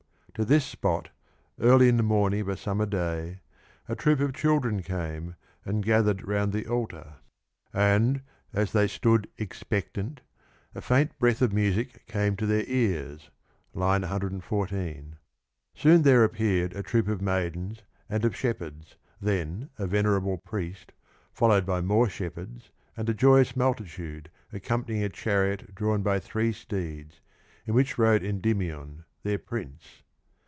To this spot, early in the morning of a summer day, a troop of children came, and gathered round the altar, and as they stood expectant a faint breath of music came to their ears (i 14). Soon there appeared a troop of maidens and of shep herds, then a venerable priest, followed by more shepherds, and a joyous multitude accompanying a chariot drawn by three steeds, in which rode Endymion their prince.